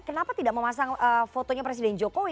kenapa tidak memasang fotonya presiden jokowi